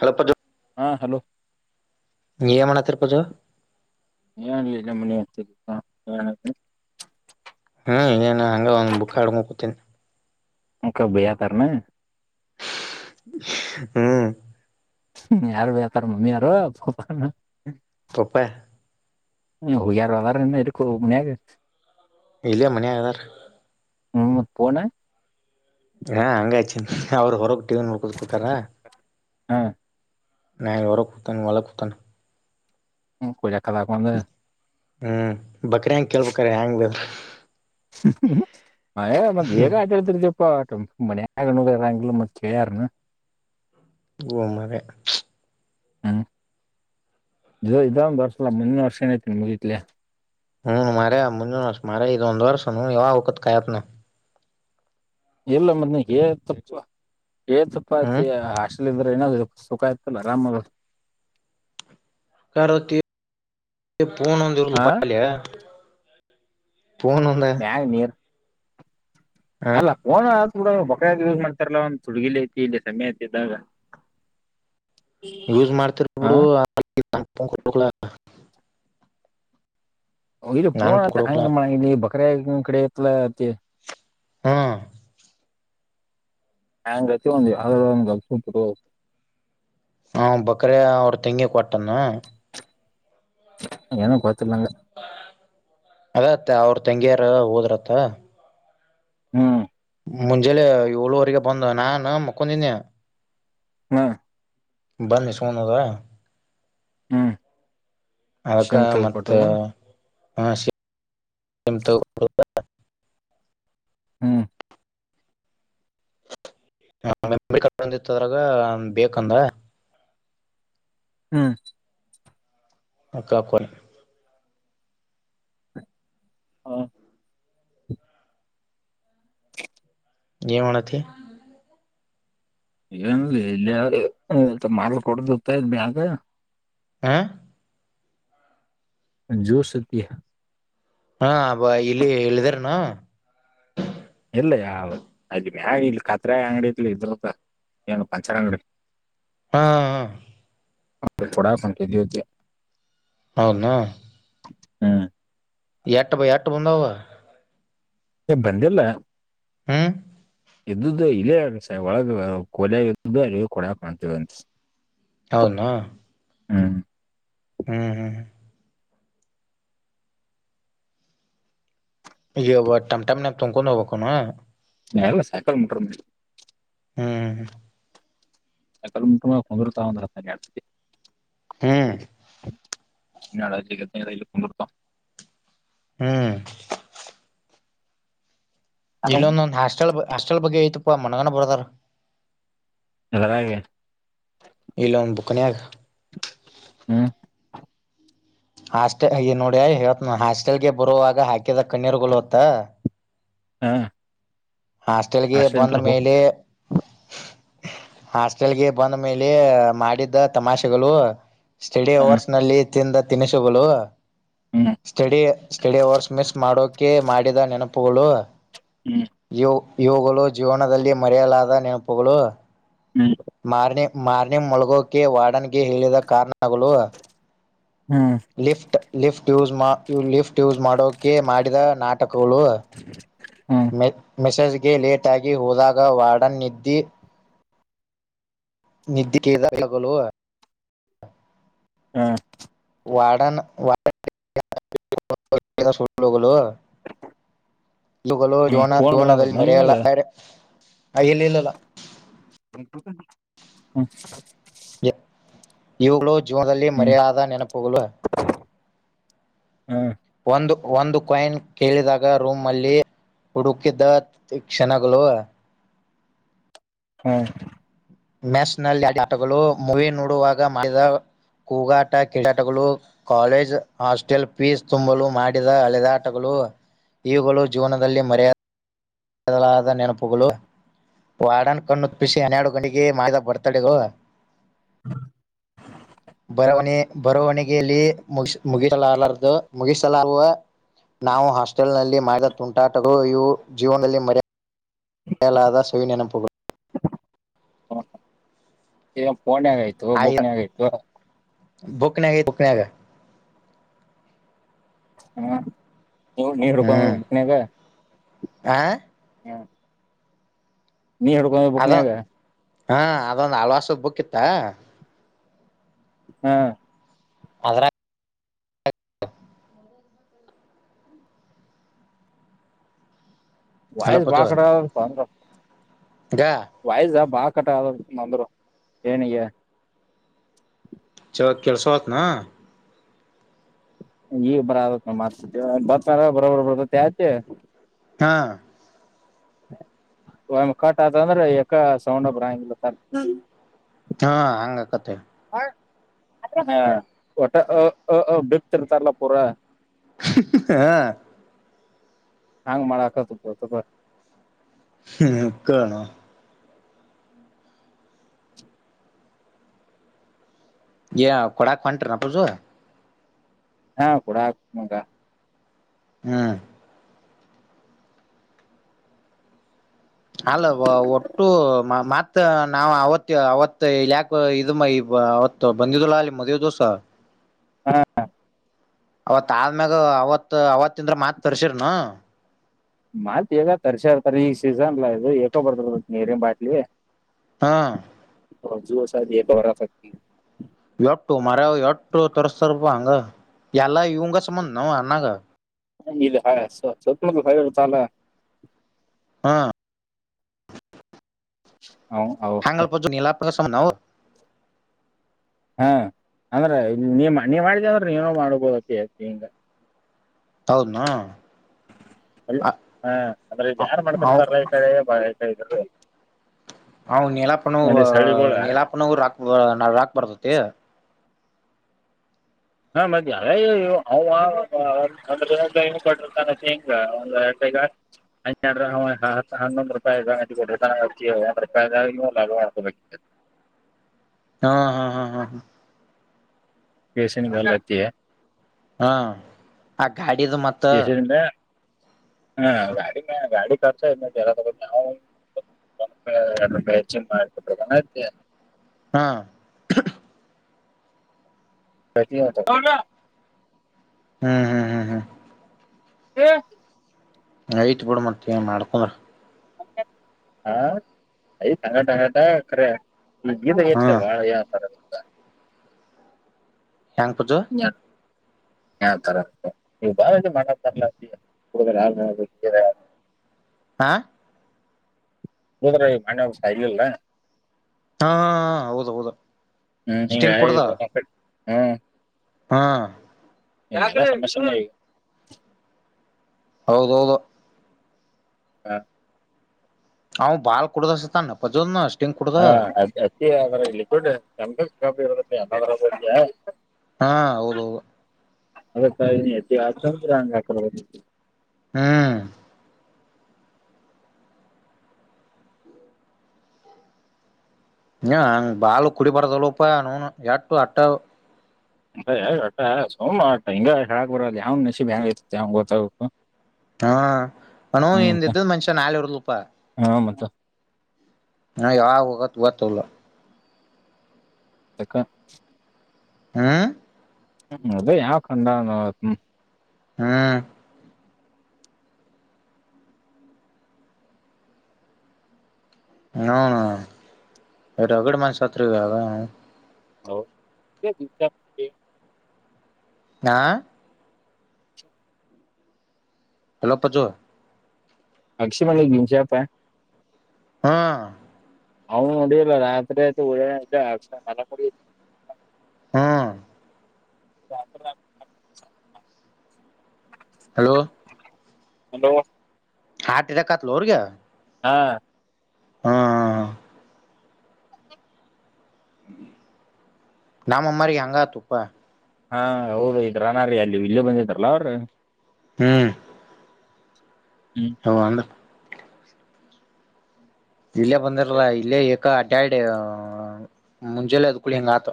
ಹಲಪ್ಪ ಹಾ ಹಲೋ ನೀ ಏನ್ಮಾಡಪತಿರ್ ಪಜ್ಜು ಏನ್ಲಲ್ಲ ಮನ [inaudible] ಹ್ಮ್ ಏನ್ ಹಂಗ ಒಂದು ಬುಕ್ ಹಿಡಕೊಂಡ ಕುೂತೀನಿ ಒಕ ಭಯ ಅತ್ತರೇನು ಹ್ಮ್ ಯಾರು ಭಯಕತ್ತರೆ ಮಮ್ಮಿ ಯಾರು ಪಪ್ಪನ್ ಪಪ್ಪಾ ಹೋಗ್ಯಾರ ಅದರ ಇನ್ನು ಮನ್ಯಾಗ [inaudible] [inaudible] ಇಲ್ಲೇ ಮನೆಯಾಗ ಆದಾರ ಹ್ಮ್ ಮತ್ತ್ ಫೋನ್ ಹಾ ಹಂಗ ಹಚ್ಚಿನಿ ಅವ್ರರು ಹೊರಗ್ ಟಿವಿ ನೋಡ್ಕೊಂತ ಕುಂತರ ಹಾ ನಾನ ಎವರ ಕುತನ್ ಒಳ್ಳ ಕುತನ್ ಹ್ಮ ಕೊಲೆಗಾ ಕದ ಹಾಕೊಂದ ಹ್ಮ್ ಬಕ್ರ ಹೆಂಗೆ ಕೇಳ್ಬೇಕ್ರ ಹೆಯಾಂಗ ಬ ಮಯ ಮಗ ಹೇಗ ಆಟೇಳ್ತಿರ ಇಪ್ಪಾಟುಂಬನ ಮನ್ಯಾಗ್ ನೋಡಿದರ ಇರಗಿಲ ಮತ ಕೆಳೆರಾನ್ ಒ ಮಾರೆ ಹ್ಮ್ ಇದ ಒಮ್ಮೆ ಬರಲ್ಲ ಮುಂದ ವರ್ಷ ಏನಐತೆನ ಮುಗಿತ್ಲ ಹ್ಮ ಮಾರಯ ಮುಂದಿನ ವರ್ಷ್ ಮಾರ ಇದೊಂದು ಒಂದು ವರ್ಷ ಯಾವಾಗ ಹೊಕ್ಕತಿ ಕಾಯಕತೀನಿ ಇಲ್ಲ ಮತ್ ಏ ತುಪ್ಪು ಏ ಹ್ಮ್ ತುಪ್ಪತಿ ಅಷ್ಟ ಇದ್ರ ಏನ ಸುಖ ಇತಲ್ಲ ಆರಾಮ ಕಾರ್ತ್ತ ಫೋನ್ ಒಂದ ಇರೋದಿಲ್ಲ ಹಾ ಪಾ ಅಲ್ಲೇ ಫೋನ್ ಒಂದ ಮ್ಯಾಗ ನೀರ್ ಹ ಅಲ್ಲ ಫೋನ್ ಕೂಡ ಬಕ್ಕಾಗಿ ಯೂಸ್ ಮಾಡ್ತಾರಲ್ಲ ಒಂದ್ ತುಡ್ಗಿಲಿ ಐತಿ ಇಲ್ಲಿ ಸಮಯ ಐತಿ ಇದಾಗ ಯೂಸ್ ಮಾಡ್ತಿರ್ ಬಿಡು ಇಲ್ಲಿ ನಾನ್ ಪೋಣತ್ತ ಪುಕ್ಡಕ್ಲ ಹಂಗ ಇಲ್ಲಿ ಬಕ್ರ ಕಡೆ ತ್ಲತ್ತ ಹಾ ಹೆಂಗ ರತಿ ಒಂದು ಯ ಒ ಗ [unintelligible] ಹಾ ಬಕ್ರ ಅವ್ರ ತೆಂಗಿ ಕೊಟ್ಟನ ಏನ ಗೊತ್ತಿಲ್ಲ ನಂಗ ಅದತ್ತ ಅವ್ರ ತಂಗಿಯಾರ ಹೋದ್ರತ್ತ ಹ್ಮ ಮುಂಜೆಲೆ ಏಳುವರೆಗೆ ಬಂದು ನಾನ ಮುಕೊಂಡಿದ್ದಿನಿ ಹು ಬಂದ್ ಇಸಕೊಂಡ ಹೋದ ಹಾ ಅದಕ್ಕ ಮತ್ತ ತಗ [unintelligible] ಹ್ಮ್ ಹ ಮೆ ಕಂದಿತ್ತದ್ರಾಗ ಬೇಕಂದ ಹ್ಮ್ ಅಕ ಕೊ ಹಾ ಚ [inaudible] ಏನ್ ಮಾಡತ್ತಿ ಏನ್ ಇಲ್ಲಿಯ ಮಾರ್ ಕೊಡ್ದತ್ತ ಇದ್ ಮ್ಯಾಗ ಹ ಜೋ ಸತಿಹ ಹಾ ಅಬ ಇಲ್ಲಿ ಹೇಳಿದಾರನು ಇಲ್ಲ ಯಾವ ಅಲ್ಲಿ ಬ್ಯಾ ಇ ಕತ್ರೆ ಅಂಗಡಿ ಇದ ಇದಂತ ಏನು ಪಂಚರ ಅಂಗಡಿ ಹಾ ಹಾ ಆ ಥೋಡಾಫನ್ಕ್ಕೆದತ ಹೌನಾ ಹಾ ಈ ಅಟ್ಟ ಬಾಯ ಅಟ್ಟ ಬಂದ ವಾ ಬಂದಿಲ್ಲ ಹ್ಮ ಎದ್ದುದುು ಇಲ್ಲೇ ಅ ಸ ಒಳಗ ಕೊಲೆ ಎದ್ದ್ದು ಅಲ್ಲಿ ಕೊಡ ಕಾಣ್ತೀವಿನ್ಸ ಹೌನಾ ಹ್ಮ ಹ್ಮ್ ಹ್ಮ್ ಈ ಟಮ್ ಟಮ್ ನ ತೊಕೊಂಡು ಹೋಗ್ಬೇಕುನು ನೇರ ಸಕರ ಮಟರ ಹ್ಮ್ ಕ್ಕಲ್ಮಟ್ಟ ಕೊಂದರುತಾವಂದ್ರ ಹ್ಮ್ ನಡಗ ರಲ್ಲಕನ್ ಕೊತ ಹ್ಮ್ ಇಲ್ಲೊಂದೊಂದ್ ಹಾಸ್ಟೆಲ್ ಹಾಸ್ಟೆಲ್ ಬಗ್ಗೆ ಐತಿಪ್ಪಾ ಮನಗನ ಬರದಾರ [unintelligible] ಈ ಲೋನ್ ಬುಕ್ನಯಗ ಹ್ಮ್ ಹಾಸ್ಟೆಲ್ ನೋಡಿ ಇವತ್ ಹಾಸ್ಟೆಲ್ಗೆ ಬರುವಾಗ ಹಾಕಿದ ಕಣ್ಣೀರುಗಳು ಹೊತ್ತ ಹಾ ಹಾಸ್ಟೆಲ್ಗೆ ಬಂದ ಮೇಲೆ ಹಾಸ್ಟೆಲ್ಗೆ ಬಂದ ಮೇಲೆ ಮಾಡಿದ್ದ ತಮಾಷೆಗಳು ಸ್ಟಡಿ ಹ ಅವರ್ಸ್ ನಲ್ಲಿ ತಿಂದ ತಿನಿಸುಗಳು ಹ್ಮ್ ಸ್ಟಡಿ ಸ್ಟಡಿ ಅವರ್ಸ್ ಮಿಸ್ ಮಾಡೋಕೆ ಮಾಡಿದ ನೆನಪುಗಳು ಹ್ಮ್ ಇವು ಇವುಗಳು ಜೀವನದಲ್ಲಿ ಮರೆಯಲಾದ ನೆನಪುಗಳು ಹ್ಮ್ ಮಾರ್ನೆ ಮಾರ್ನೆ ಮುಳಗೋಕೆ ವಾಡನ್ಗೆ ಹೇಳಿದ ಕಾರಣಗಳು ಹ್ಮ್ lift lift use lift use ಮಾಡೋಕೆ ಮಾಡಿದ ನಾಟಕಗಳು ಹ್ಮ್ ಮೆ ಮೆಸೇಜ್ಗೆ ಲೇಟ್ ಆಗಿ ಹೋದಾಗ ವಾರ್ಡನ್ ನಿದ್ದಿ ನಿದ್ದೆ ಕೇದಗಲು ಹಾ ವಾರ್ಡನ್ ವ ಲೋಗಲ ಇಲ ಹ್ಮ್ ಜೋನ ಫೋನ್ ಬರದು ಜೋನದಲ್ಲಿ ಮರೆಯಲ್ಲ ನನ್ಗ ಯ ಎಲ್ಲಿ ಇಲ್ಲಲ್ಲ ಹ್ಮ್ ಇವುಗಳು ಜೀವನದಲ್ಲಿ ಮರೆಯಾಲಾಗದ ನೆನಪುಗಳು ಹಾ ಒಂದು ಒಂದು ಕಾಯಿನ್ ಕೇಳಿದಾಗ ರೂಮ್ಲ್ಲಿ ಹುಡುಕಿದ್ದ ಕ್ಷಣಗಳು ಹಾ ನ್ಯಾಷನಲ್ ಆ ಆಟಗಳು ಮೂವಿ ನೋಡುವಾಗ ಮಾಡಿದ ಕೂಗಾಟ ಕ್ರಡಾಟಗಳು ಕಾಲೇಜ್ ಹಾಸ್ಟೆಲ್ ಫೀಸ್ ತುಂಬಲು ಮಾಡಿದ ಹಳೆದಾಟಗಳು ಇವುಗಳು ಜೀವನದಲ್ಲಿ ಮರೆಯ ದಲಾದ ನೆನಪುಗಳು ವಾಡನ್ ಕಣ್ಣುಪ್ಪಿಸಿ ಹನ್ನೆರಡು ಗಂಟಿ ಮಾದ ಬರ್ತ್ಡೇಗಳು ಬರವಣೆ ಬರವಣಿಗೆಯಲ್ಲಿ ಮುಗ ಮುಗಿಸಲಲಾರ್ದು ಮುಗಿಸಲುವ ನಾವು ಹಾಸ್ಟೆಲ್ನಲ್ಲಿ ಮಾಡಿದ ತುಂಟಾಟಗಳು ಇವು ಜೀವನದಲ್ಲಿ ಮರಿಯಾ ಮರೆಯಲಾದ ಸವಿ ನೆನಪುಗಳು ಫೋನ್ನಾಗ್ ಆಯ್ತು ಬುಕ್ನಗ ಆಯ್ತು ಬುಕ್ಕನಾಗ್ ಬುಕ್ಕನಾಗ್ ಹ್ಮ ನೀವು ಹುಡ್ಕೊಕೊಂಡ ಹ್ಮ್ ಬುಕ್ಕಾನಗ ಆ ನೀ ಹುಡ್ಕೊಂಡ ಬುಕ್ನಯಾಗ ಹಾ ಅದೊಂದು ಆಳ್ವಾಸ್ ಬುಕ್ ಇತ್ತು ಹ ಅದ್ರಗ್ ಹಲೋ ವಾಯ್ಸ್ ಬಾಳ ಪಜು ಕಟ್ಟಯತಪ್ಪ ನಿಂದು ಗ ವಾಯ್ಸ್ ಕಟ್ಟಾ ಬಂದ್ರು ಏನಿಗೆ ಕೆಲ್ಸ ಹೊತ್ನಾ ಈ ಬರತಾನಾ ಮಾಡಸವ ಬಾರ ಬರಬರ ಬರ್ತತಿ ಆಚೆ ಹಾ ಒಂದು ಕಟ್ ಆತಂದ್ರೆ ಯಕ ಸೌಂಡೇ ಬರಗಿಲ್ಲ ಪಾ ಹಾ ಹಂಗ ಕಥೆ ಹಾ ಒಟ್ಟ ಆ ಆ ಬಿಟ್ಟಿರ್ತಾರೆಲ್ಲ ಪುರಾ ಹಾ ಹಾಂಗ್ ಮಾಡಕತ ತಪ್ಪ ಹ್ಮ ಕಣೋ ಕೊಡಾಕ್ ಹೊಂಟ್ರಪ್ಪ ಹಾ ಕೂಡಕ್ ಬಂದ ಹ್ಮ್ ಅಲ್ಲ ಒಟ್ಟು ಮತ್ತ ನಾವ ಅವತ್ತ ಅವತ್ ಇಲ್ಲಿ ಯಾಕ್ ಅವತ್ತು ಬಂದಿದಲ್ಲ ಅಲ್ವಾ ಅವತ್ತು ಮದುವೆ ದಿವಸ ಹಾ ಹ ಅವತ್ ಆದ್ಮ್ಯಾಗ ಅವತ್ ಅವತ್ತಿಂದ್ರ ಮಾತ್ ತರ್ಸಿರ್ನು ಮತ್ ಈಗ ತರ್ಸತಾರೆ ಈಗ ಸೀಸನ್ಲಾ ಇದು ಹಕೋ ಬರ್ತ ನೀರಿ ಬಾಟ್ಲಿ ಹಾ [unintelligible] ಎಟ್ಟು ಮರಯಾ ಎಟ್ಟು ತರಿಸಸ್ತಾರಪ ಹಂಗ ಯಲ್ಲ ಇವುಗ ಸುಮ್ನ ಅಣ್ಣಗ ಇದು [unintelligible] ಹಾ [inaudible] ಹಾಂಗಲ್ಪ [unintelligible] ಹಾ ಅಂದ್ರೆ ನೀ ನೀ ಮಾಡಿದ ಅಂದ್ರೆ ನೀನು ಮಾಡ್ಬೋದಕ ಹಿಂಗ ಹೌದನು ಹಾ ಅಂದ್ರೆ ಇದ ಯಾರ್ ಮಾಡ್ತೇನ ಅಂತಾರ ಲಾ ಬಾ. [unintelligible] ಹ ನೀಲಾಪನ ನೀಲಾಪನ ರಾಕ್ನಾ ರಾಕ್ ಬರ್ತತಿ [unintelligible] ಈಗ ಆಯ್ತು ಅಂದ್ರೆ ಹನ್ನೊಂದು ರೂಪಾಯಿ ಕೊಟ್ಟಿರತನ [unintelligible] [unintelligible] [inaudible] ಹಾ ಹಾ ಹಾ ಹಾ ಹಾ [unintelligible] ಹಾ ಆ ಗಾಡಿದ ಮತ್ತ್. ಹ ಗಾಡಿ ಮ್ಯಾ ಗಾಡಿ ಖರ್ಚ್ ಇದನ್ ಎಲ್ಲಾ ತಕೊ. ಒಾಯಿ ಎರಡ್ ರೂಪಾಯಿ ಹೆ ಜುಮ್ಮ ಮಾಡಬಿಟ್ರನತೆ [inaudible] ಹ. [inaudible] ಹ್ಮ್ ಹ್ಮ್ ಹ್ಮ್ ಹ್ಮ್. ಏ. ಹ ಇಟ್ಟ ಬಿಡ ಮತ್ತ ಏನ್ ಮಾಡ್ಕೊಂಡ್ರ. ಹಾ ಐತಿ ಹಂಗಟ ಹಂಗಟ ಕರೆ. ಈಗ ಇದ ಆಗೆತ ಲಾ ಹ್ಮ್ ಬಾಳ್ ಏನ್ ಅಂತಾರ. ಹ್ಯಾಂಗ್ ಪಜ್ಜು. ಯಾನ ಅಂತಾರ ಅದಕ ಈಗ ಬಾಳ ಇದ ಮಾಡತಾರ್ಲಾ ಅಪ್ಪಿ. ಆ. ಹೋದರೆ ಮನ್ನೆ ಒಬ್ಬ ಸಾಯಲಿಲ್ಲನ. ಹಾ ಹೌದ ಹೌದು ಹ್ಮ್ ಹಿಂಗಾಗಿ ಹ್ಮ್ಮ್. ಹ. ಎಲ್ಲಾ ಸಮಸ್ಯೆನ ಈಗ. ಹೌದೌದ. ಕಾ. ಅವ್ ಬಾಳ್ ಕುಡದಸತಾನ ಪಜ್ಜುಣ್ಣ. ಹಾ ಅದ ಅತೀ ಆದ್ರ ಲಿಕ್ವಿಡ್ ಕೆಮಿಕಲ್ ಇರದ ಎಲ್ಲದರಗು. ಹಾ ಹೌದೌದ. ಅದಕ ಎಣ್ಣಿ ಅತಿ ಆತ ಅಂದ್ರ ಹಂಗ ಆತದ. ಹ್ಹ. ಹ್ಹ ಹ ಬಾಳ ಕುಡಿಬಾರ್ದಳೋ ಪಾ ನೌನ್ ಏಟ್ಟೋ ಅಟ್ಟ ಅದ್. ಅದ ಅಟ್ಟ ಸುಮ ಅಟ ಹಿಂಗ ಹೇಳಕ್ ಬರಲ ಯಾವ್ನ ನಶಿಬ ಹೆಂಗ್ ಇರ್ತೈತಿ ಯಾವಂಗ ಗೊತ್ತಾಗಬೇಕು. ಹ ಅನೌನ್ ಹ್ಮ್ ಮತ್ತ ಇಂದಿದ್ದ ಮನಷ್ಯಾ ನಾಳಿ ಇರುದಿಲ್ಲೊಪಾ. ಹಾ ಮತ್ತ ಹಾ ಯಾವಾಗ್ ಹೋಗತ್ ಗೊತ್ತಿರುಲ್ಲಾ. ಯಾಕ್. ಹ್ಹ. ಹ್ಮ ಅದ ಯಾವ್ ಖಂಡಾನ್. ಹ್ಮ್. ಹ ನೌನ್ ರಗಡ ಮಂದಿ ಸತ್ರ ಈಗ ಆಗಳೇ. ಹೌದ. ಹಾ. ಹಲೋ ಪಜ್ಜು. ಅಗಶಿಮಣಿ ಭೀಮಾಶ್ಯಾ ಪಾ. ಹ್. ಅವ್ನು ನೋಡಲ್ಲ ರಾತ್ರಿ ಆಯತ. [inaudible] ಹ್ಮ್. [inaudible] ಹಲೋ. ಹಲೋ. ಹಾರ್ಟ ಅಟ್ಯಾಕಾತ್ಲೋರಿಗೆ. ಹಾಂ. ಹ್ಹ ಹ್ಹ ಹ್ಹ. ನಮ್ ಅಮ್ಮಾರಿಗ ಹಂಗ ಆತೋ ಪಾ. ಹಾ ಹೌದ್ರಿ ಇದ್ರನಾ ರೀ ಅಲ್ಲಿ ಇಲ್ಲೂ ಬಂದಿದ್ರಲ್ಲ ಅವ್ರ ರಿ. ಹ್ಮ್. ಹ್ಮ್ ಹ ಅಂದ್ರ ಇಲ್ಲೇ ಬಂದಾರಲ್ಲ ಇಲ್ಲೇ ಕ ಅಡ್ಡ್ಯಾಡ್ ಮುಂಜಾಲೆ ಅದ್ಕಳಿ ಹಂಗ ಆತ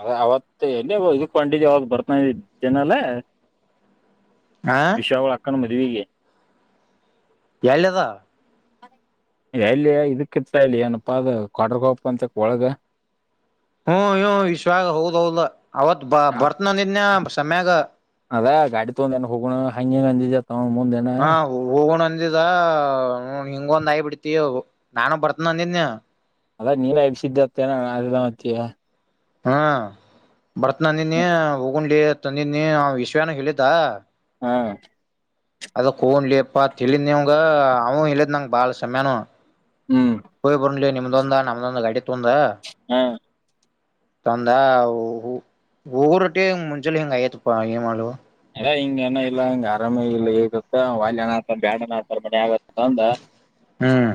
ಅದ ಅವತ್ತ ಎಲ್ಲಿ ಇದ ಕ್ವಾಂಟಿಟಿ ಯಾವಾಗ ಬರ್ತಾನ ಜನಲ್ಲ ಹ ವಿಷಾವಳ ಅಕ್ಕನ್ ಮದುವೆಗೆ ಎದ ಎಲ್ಲಿ ಇದಕ್ಕಿ ಇತ್ತ ಇಲ್ಲಿ ಏನಪ್ಪಾ ಅದು ಕೊಡ್ರಗೋಪ ಅಂತಕ್ ಒಳಗ ಹ್ಮ ಹ ವಿಶ್ವ ಹೌದ್ ಹೌದ ಅವತ್ ಬ ಹಾ. ಬರ್ತನಂದಿದನ್ಯ ಸಮ್ಯಾಗ ಅದ ಗಾಡಿ ತೊಂದಏ ಹೋಗೋಣ ಹಂಗೆ ಅಂದ ಹಾ ಹೋಗಣಂದ ಿದ ಹಿಂಗೊಂದ್ ಆಾಯಿ ಬಿಡ್ತಿ ನಾನು ಬರ್ತನ ಅಂದಿದ್ನಿ ಅದ ನೀವ ಎಬ್ಸಿದ್ದತ್ತನ ಅ ಮತ್ತ ಹಾ ಬರತ್ ನಂದಿನಿ ಹೋಗೊಂಡಿ ತಂದಿನಿ ವಿಶ್ವನ ಹೇಳಿದ ಹಾ ಅದ ಕನ್್ಲಿ ಅಪ್ಪಾ ತಿಳಿದ್ ನಿವ್ಗ ಅವ ಇಿದ್ ನಂಗ ಬಾಳ ಸಮಯಾನ ಹ್ಮ್ ಹಯ್ ಬರ್ಲಿ ನಿಮ್ದೊಂದ ನಮ್ದೊಂದ ಗಾಡಿ ತುಂದ ಹಾ ತಂದ ಹೂರುೊಟ್ಟಿ ಮುಂಚೆಲ್ಲ ಹೆಿಂಗ್ ಆಯತ್ಪ್ಪ ಏ ಮಾಡಲ್ ಹಿಂಗಏನ ಇಲ್ಲ ಹಂಗ ಆರಾಮ ಇಲ್ಲ ಇಗತ್ತ ವಲ್ಯನ ಆತಾರ ಬ್ಯಾಡಣ್ಣ ಆತಾರ ಮಿ ಆಗ ಅಂದ ಹ್ಮ್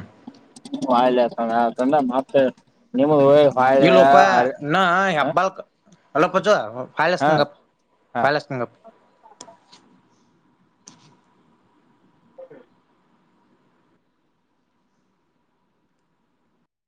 ಹ್ಮೂ ಆ್ಲಣಕೊಂಡ ಮತ್ತೆ ನಿಮ ಇಲ್ಲೋಪ ಇ ಹಬ್ಬಲ್ ಅಲಪ್ಪಚೋ ಹಾ ೈಲಷ್ಟತಂಗಪ್ಪ ಹಾ ಫಲ್ಷ್ಟತಂಗಪ್ಪ ಹ